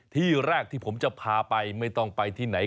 ที่แรกที่ผมจะพาไปไม่ต้องไปที่ไหน